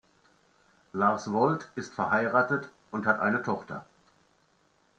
Lars Woldt ist verheiratet und hat eine Tochter.